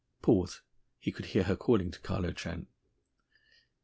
Pause. He could hear her calling to Carlo Trent.